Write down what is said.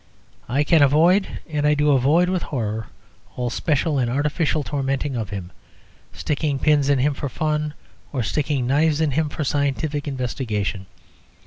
I can avoid, and I do avoid with horror, all special and artificial tormenting of him, sticking pins in him for fun or sticking knives in him for scientific investigation.